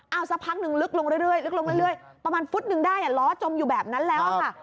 เอาสักพักนึงลึกลงเรื่อยลึกลงเรื่อยประมาณฟุตนึงได้ล้อจมอยู่แบบนั้นแล้วค่ะ